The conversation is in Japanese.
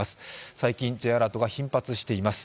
最近、Ｊアラートが頻発しています。